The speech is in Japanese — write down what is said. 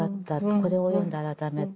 これを読んで改めて。